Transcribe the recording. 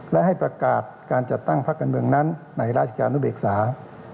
และให้ประกาศการจัดตั้งพักการเมืองนั้นในราชการนุเบกษา